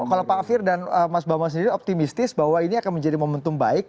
kalau pak afir dan mas bambang sendiri optimistis bahwa ini akan menjadi momentum baik